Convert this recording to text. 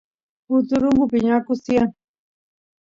uturungu piñakus tiyan